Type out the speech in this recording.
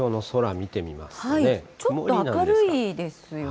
ちょっと明るいですよね。